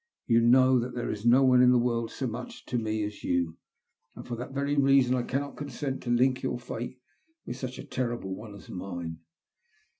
'' You know that there is no one in this world so much to me as you ; and for that very reason I cannot consent to link your fate with such a terrible one as mine."